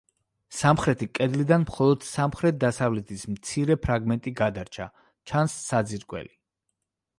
სამხრეთი კედლიდან მხოლოდ სამხრეთ-დასავლეთის მცირე ფრაგმენტი გადარჩა; ჩანს საძირკველი.